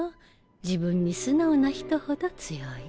自分に素直な人ほど強い。